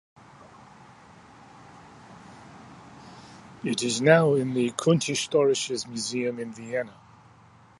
It is now in the Kunsthistorisches Museum in Vienna.